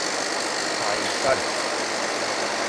А и сад.